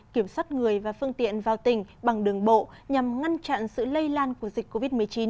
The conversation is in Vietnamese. kiểm soát người và phương tiện vào tỉnh bằng đường bộ nhằm ngăn chặn sự lây lan của dịch covid một mươi chín